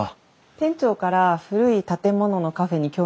店長から古い建物のカフェに興味があるって伺いました。